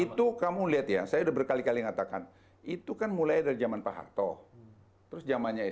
itu kamu lihat ya saya udah berkali kali ngatakan itu kan mulai dari zaman pak harto terus jamannya